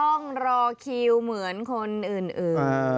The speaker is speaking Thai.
ต้องรอคิวเหมือนคนอื่น